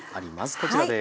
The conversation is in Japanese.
こちらです。